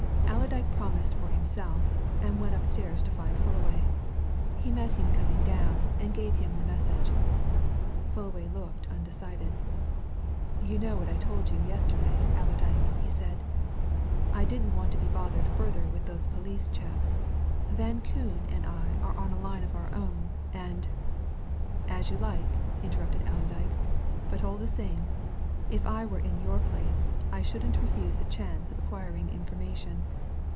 Allerdyke promised for himself, and went upstairs to find Fullaway. He met him coming down, and gave him the message. Fullaway looked undecided. "You know what I told you yesterday, Allerdyke," he said. "I didn't want to be bothered further with these police chaps. Van Koon and I are on a line of our own, and " "As you like," interrupted Allerdyke, "but all the same, if I were in your place I shouldn't refuse a chance of acquiring information.